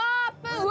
うわ！